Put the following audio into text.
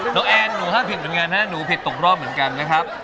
น้องแอนหนูถ้าผิดเป็นงานถ้าหนูผิดตกรอบเหมือนกันนะครับ